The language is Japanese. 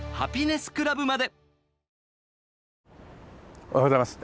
おはようございます。